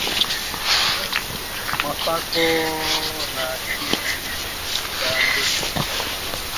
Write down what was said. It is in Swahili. Mwafako na kiji ba nduku